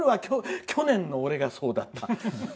去年の俺がそうだった。